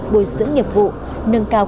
bồi sửa nghiệp vụ nâng cao